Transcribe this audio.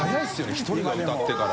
１人が歌ってから。